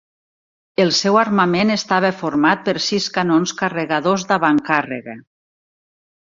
El seu armament estava format per sis canons carregadors d'avantcàrrega.